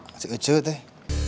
masih kecut teh